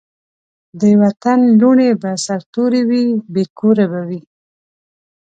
د وطن لوڼي به سرتوري وي بې کوره به وي